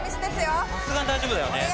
さすがに大丈夫だよね。